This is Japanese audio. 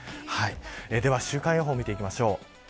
では週間予報を見ていきましょう。